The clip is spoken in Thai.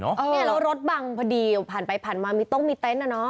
เนี่ยแล้วรถบังพอดีผ่านไปผ่านมาต้องมีเต้นอ่ะเนาะ